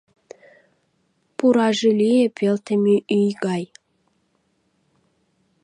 Пураже лие пелтыме ӱй гай